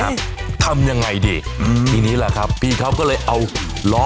ทำยังไงดีอืมทีนี้แหละครับพี่เขาก็เลยเอาล้อ